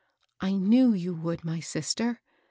^^" I knew you would, my sister."